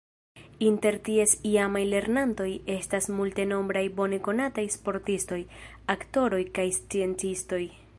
Inter ties iamaj lernantoj estas multenombraj bone konataj sportistoj, aktoroj kaj sciencistoj.